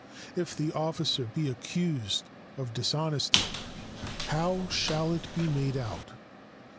If the officer be accused of dishonesty, how shall it be made out?